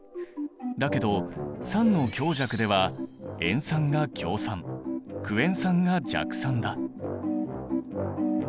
だけど酸の強弱では塩酸が強酸クエン酸が弱酸だ。